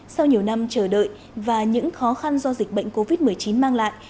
sau nhiều năm chờ đợi và những khó khăn do dịch bệnh covid một mươi chín mang lại